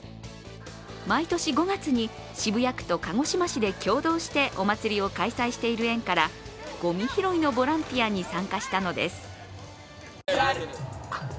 毎年５月に渋谷区と鹿児島市で協同してお祭りを開催している縁から、ごみ拾いのボランティアに参加したのです。